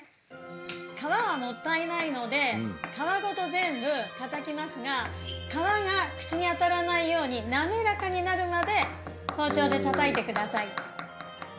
皮はもったいないので皮ごと全部、たたきますが皮が口に当たらないように滑らかになるまで包丁でたたいてください。